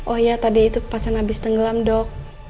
oh iya tadi itu pasien habis tenggelam dok